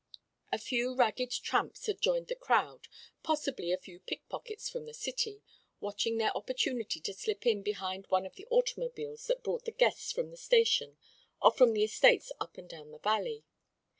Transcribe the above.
A few ragged tramps had joined the crowd, possibly a few pickpockets from the city, watching their opportunity to slip in behind one of the automobiles that brought the guests from the station or from the estates up and down the valley.